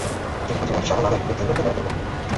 যদি প্রধানমন্ত্রী সাড়া না দেয়, ওদের তিনজনকে মেরে ফেলবো।